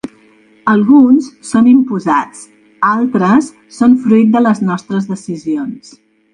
Alguns són imposats, altres són fruit de les nostres decisions.